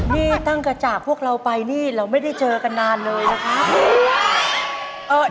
นี่ตั้งแต่จากพวกเราไปนี่เราไม่ได้เจอกันนานเลยนะครับ